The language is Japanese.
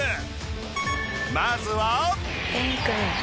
まずは。